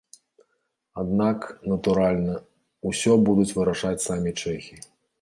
Аднак, натуральна, усё будуць вырашаць самі чэхі.